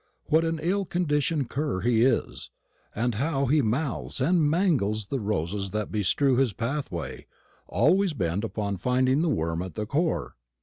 What an ill conditioned cur he is, and how he mouths and mangles the roses that bestrew his pathway, always bent upon finding the worm at the core!